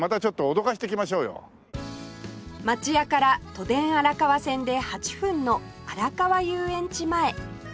町屋から都電荒川線で８分の荒川遊園地前